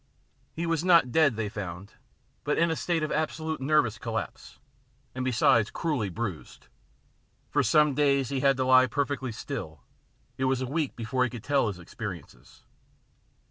He was not dead, they found, but in a state of absolute nervous collapse, and besides cruelly bruised. For some days he had to lie perfectly still. It was a week before he could tell his experiences.